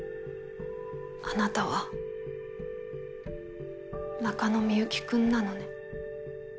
あなたは中野幸くんなのね。